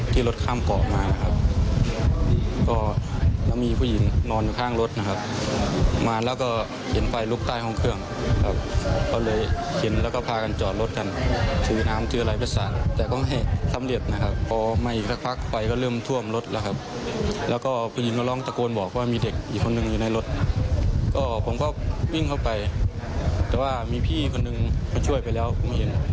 แต่ว่ามีพี่คนหนึ่งมาช่วยไปแล้วไม่เห็น